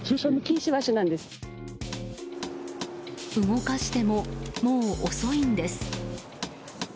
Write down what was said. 動かしても、もう遅いんです。